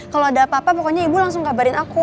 kalau ada apa apa pokoknya ibu langsung kabarin aku